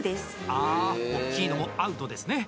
ああおっきいのもアウトですね。